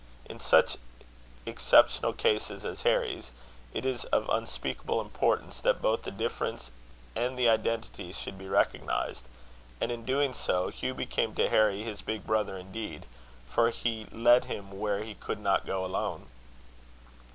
In such exceptional cases as Harry's, it is of unspeakable importance that both the difference and the identity should be recognized; and in doing so, Hugh became to Harry his big brother indeed, for he led him where he could not go alone.